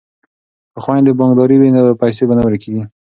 که خویندې بانکدارې وي نو پیسې به نه ورکیږي.